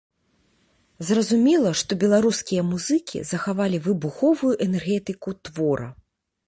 Зразумела, што беларускія музыкі захавалі выбуховую энергетыку твора.